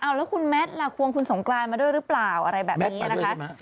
แล้วคุณแมทล่ะควงคุณสงกรานมาด้วยหรือเปล่าอะไรแบบนี้นะคะ